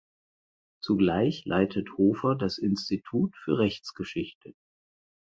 Zugleich leitet Hofer das Institut für Rechtsgeschichte.